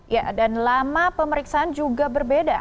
ya dan lama pemeriksaan juga berbeda